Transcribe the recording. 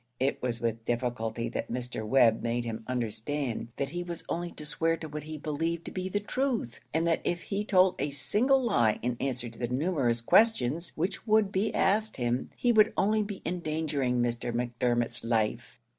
It was with difficulty that Mr. Webb made him understand that he was only to swear to what he believed to be the truth, and that if he told a single lie in answer to the numerous questions which would be asked him, he would only be endangering Mr. Macdermot's life.